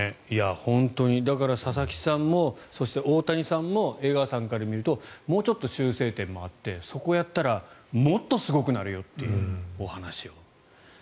だから、佐々木さんもそして大谷さんも江川さんから見るともうちょっと修正点もあってそこをやったらもっとすごくなるよというお話を。